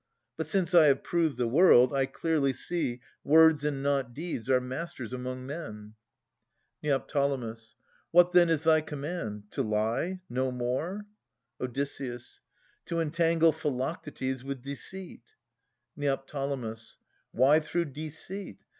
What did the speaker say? But since I have proved the world, I clearly see Words and not deeds are masters among men. Neo. What then is thy command ? To lie ? No more ? Od. To entangle Philoctetes with deceit. Neo. Why through deceit